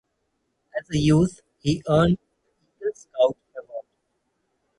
As a youth, he earned the Eagle Scout award.